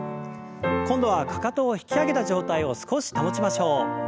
今度はかかとを引き上げた状態を少し保ちましょう。